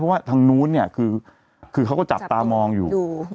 เพราะทั้งนู้นเขาก็จับตามองอยู่